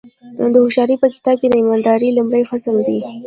د هوښیارۍ په کتاب کې ایمانداري لومړی فصل دی.